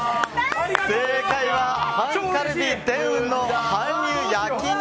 正解は韓カルビ大雲の韓流焼肉